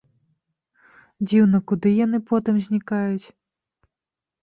Дзіўна, куды яны потым знікаюць?